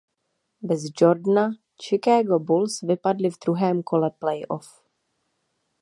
Bez Jordana Chicago Bulls vypadli v druhém kole playoff.